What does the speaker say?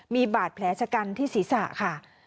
มีบาดแผลชะกันที่ศีรษะค่ะ